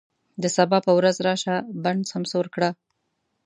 د سبا په وزر راشه، بڼ سمسور کړه